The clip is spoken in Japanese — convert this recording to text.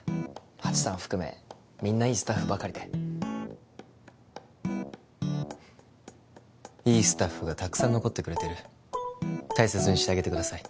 ハチさん含めみんないいスタッフばかりでいいスタッフがたくさん残ってくれてる大切にしてあげてください